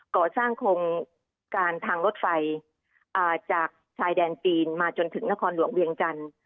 ก่อสร้างโครงการทางรถไฟจากชายแดนจีนมาจนถึงนครหลวงเวียงจันทร์